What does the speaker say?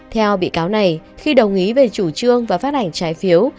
theo bị cáo này khi đồng ý về chủ trương và phát hành trái phiếu